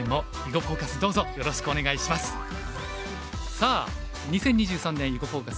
さあ２０２３年「囲碁フォーカス」